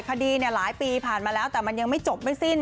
คดีหลายปีผ่านมาแล้วแต่มันยังไม่จบไม่สิ้น